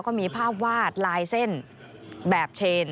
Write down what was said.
ก็มีภาพวาดลายเส้นแบบเชน